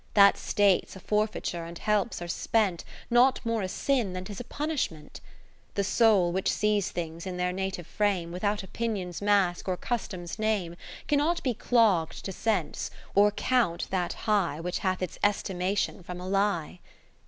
That state 's a forfeiture, and helps are spent, Not more a Sin, than 'tis a punish ment. The soul which sees things in their native frame. Without Opinion's mask or Custom's name. Cannot be clogg'd to Sense, or count that high Which hath its estimation from a lie.